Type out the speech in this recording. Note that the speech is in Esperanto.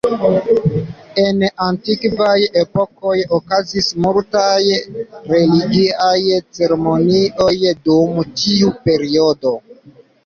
En antikvaj epokoj, okazis multaj religiaj ceremonioj dum tiu periodo.